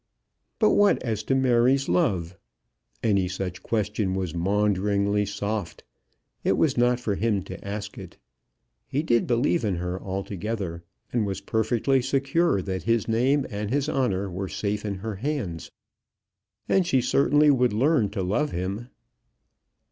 But what as to Mary's love? Any such question was maunderingly soft. It was not for him to ask it. He did believe in her altogether, and was perfectly secure that his name and his honour were safe in her hands. And she certainly would learn to love him.